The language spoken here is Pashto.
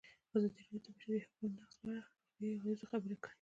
ازادي راډیو د د بشري حقونو نقض په اړه د روغتیایي اغېزو خبره کړې.